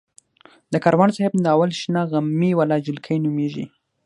د کاروان صاحب ناول شنه غمي واله جلکۍ نومېږي.